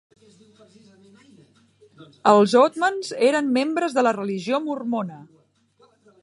Els oatmans eren membres de la religió mormona.